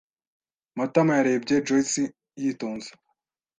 Matama yarebye Joyci yitonze.